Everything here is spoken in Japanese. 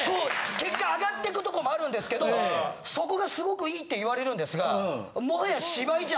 結果上がっていくとこもあるんですけどそこがすごく良いって言われるんですが。